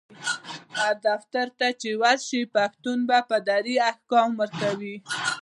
هر دفتر چی ورشي پشتون په دري احکام ورکوي